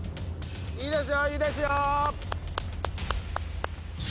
いいですよいいですよ！